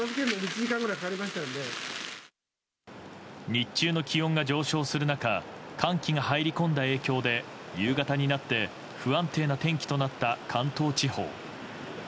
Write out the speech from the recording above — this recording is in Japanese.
日中の気温が上昇する中寒気が入り込んだ影響で夕方になって不安定な天気となった関東地方。